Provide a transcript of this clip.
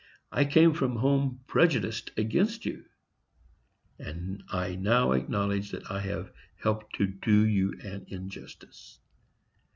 I came from home prejudiced against you, and I now acknowledge that I have helped to do you injustice."